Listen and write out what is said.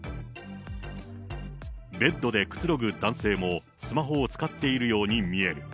ベッドでくつろぐ男性も、スマホを使っているように見える。